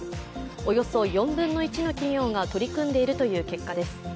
およそ４分の１の企業が取り組んでいるという結果です。